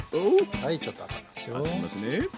はいちょっとあっためますよ。